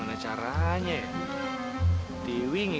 cuma kethere di sini